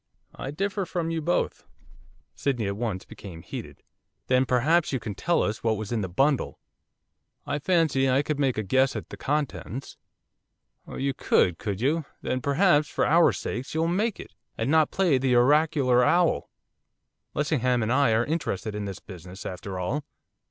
'I differ from you both.' Sydney at once became heated. 'Then perhaps you can tell us what was in the bundle?' 'I fancy I could make a guess at the contents.' 'Oh you could, could you, then, perhaps, for our sakes, you'll make it, and not play the oracular owl! Lessingham and I are interested in this business, after all.